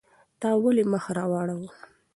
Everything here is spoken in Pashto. تا ولې مخ واړاوه؟